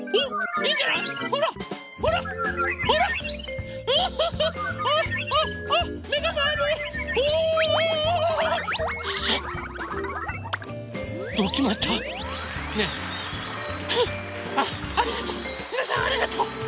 みなさんありがとう。